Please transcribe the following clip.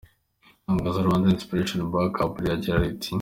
Itangazo Rwanda Inspiration Backup riragira riti: .